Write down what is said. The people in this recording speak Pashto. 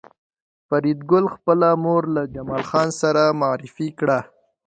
فریدګل خپله مور له جمال خان سره معرفي کړه